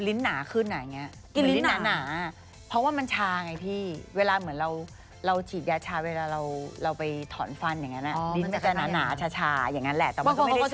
ลิ้นก็จะหนาช้าอย่างนั้นแหละแต่มันก็ไม่ได้ช้าขนาดนั้นบางคนเขาก็ชอบ